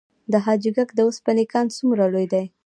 د حاجي ګک د وسپنې کان څومره لوی دی؟